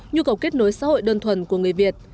nhu cầu kết nối xã hội đơn thuần của người việt